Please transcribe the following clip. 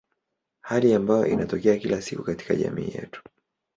Hali ambayo inatokea kila siku katika jamii yetu.